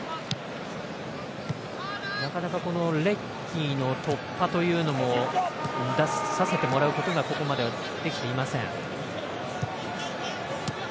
なかなかレッキーの突破も出させてもらうことがここまで、できていません。